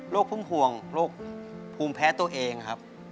พุ่มห่วงโรคภูมิแพ้ตัวเองครับ